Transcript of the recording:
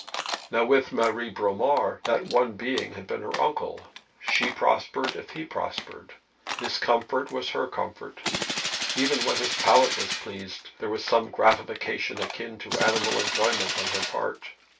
Now with Marie Bromar that one being had been her uncle. She prospered, if he prospered. His comfort was her comfort. Even when his palate was pleased, there was some gratification akin to animal enjoyment on her part.